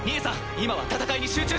今は戦いに集中して！